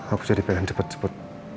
aku jadi pengen cepet cepet